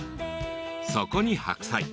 そこに白菜。